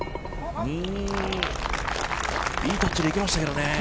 いいタッチでいきましたけどね。